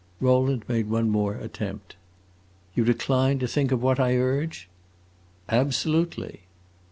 Rowland made one more attempt. "You decline to think of what I urge?" "Absolutely."